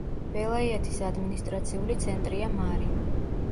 ველაიათის ადმინისტრაციული ცენტრია მარი.